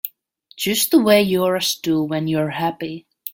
Just the way yours do when you're happy.